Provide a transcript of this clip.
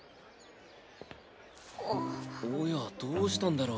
おやどうしたんだろう？